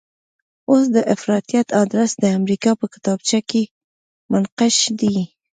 اوس د افراطیت ادرس د امریکا په کتابچه کې منقش دی.